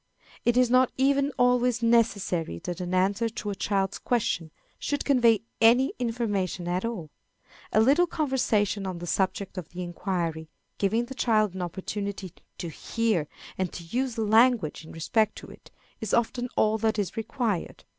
It is not even always necessary that an answer to a child's question should convey any information at all. A little conversation on the subject of the inquiry, giving the child an opportunity to hear and to use language in respect to it, is often all that is required.